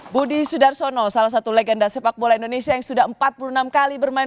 budi sudarsono salah satu legenda sepak bola indonesia yang sudah empat puluh enam kali bermain